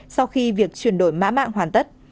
sau khi việc chuyển đổi mã mạng hoàn tất